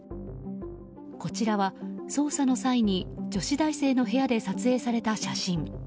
こちらは捜査の際に女子大生の部屋で撮影された写真。